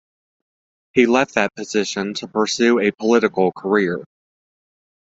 He left that position to pursue a political career.